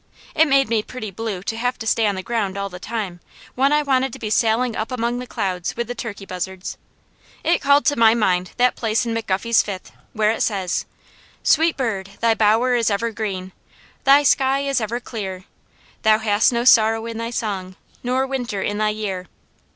It made me pretty blue to have to stay on the ground all the time, when I wanted to be sailing up among the clouds with the turkey buzzards. It called to my mind that place in McGuffey's Fifth where it says: "Sweet bird, thy bower is ever green, Thy sky is ever clear; Thou hast no sorrow in thy song, No winter in thy year."